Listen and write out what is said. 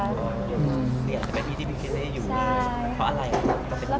ยังเหยื่อที่พี่แคลรี่อยู่